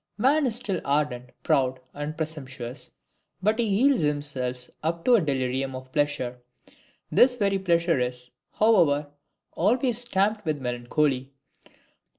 Man is still ardent, proud, and presumptuous, but he yields himself up to a delirium of pleasure. This very pleasure is, however, always stamped with melancholy.